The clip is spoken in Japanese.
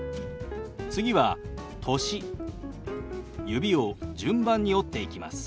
指を順番に折っていきます。